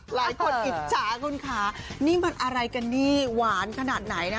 อิจฉาคุณค่ะนี่มันอะไรกันนี่หวานขนาดไหนนะ